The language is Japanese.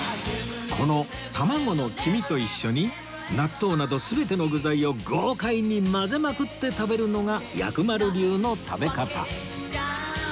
この卵の黄身と一緒に納豆など全ての具材を豪快に混ぜまくって食べるのが薬丸流の食べ方